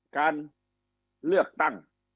การเลือกตั้ง